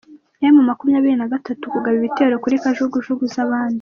Emu makumyabiri nagatatu kugaba ibitero kuri kajugujugu zabandi